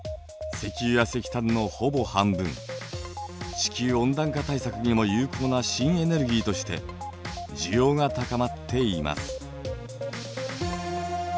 地球温暖化対策にも有効な新エネルギーとして需要が高まっています。